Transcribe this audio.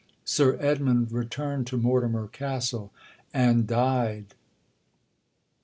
Sir Edmund returned to Mortimer Castle, and died.